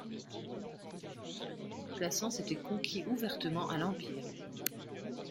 Plassans était conquis ouvertement à l'empire.